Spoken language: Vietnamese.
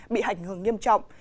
bị hành hưởng nghiêm trọng